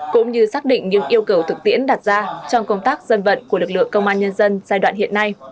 cũng như xác định những yêu cầu thực tiễn đặt ra trong công tác dân vận của lực lượng công an nhân dân giai đoạn hiện nay